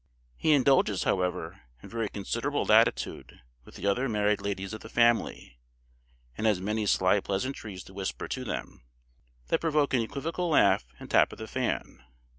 He indulges, however, in very considerable latitude with the other married ladies of the family; and has many sly pleasantries to whisper to them, that provoke an equivocal laugh and tap of the fan.